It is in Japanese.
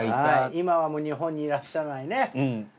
今は日本にいらっしゃらないね